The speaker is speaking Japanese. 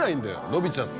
のびちゃって。